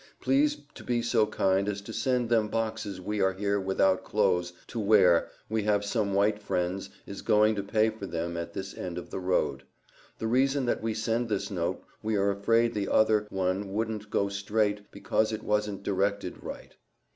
Please to be so kind as to send them boxes we are here without close to ware we have some white frendes is goin to pay for them at this end of the road. The reason that we send this note we are afraid the outher one woudent go strait because it wasent derected wright.